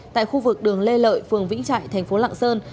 tại khu vực đường lê lợi phường vĩnh trại thành phố lạng sơn